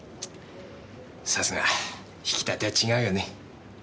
さすが挽きたては違うよね。